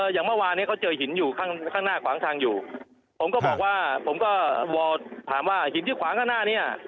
อย่างเมื่อวานเนี่ยเขาเจอหินอยู่ข้างหน้าขวางทางอยู่ผมก็บอกว่าผมก็วอลถามว่าหินที่ขวางข้างหน้าเนี่ย